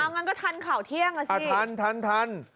อ้าวงั้นก็ทันข่าวเที่ยงล่ะสิอ่ะทัน